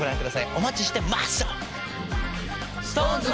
お待ちしてマッスル！ＳｉｘＴＯＮＥＳ